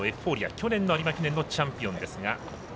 去年の有馬記念のチャンピオンですが。